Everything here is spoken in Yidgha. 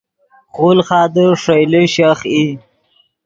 خولخادے ݰئیلے شیخ ای